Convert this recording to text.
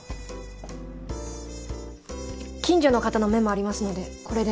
近所の方の目もありますのでこれで。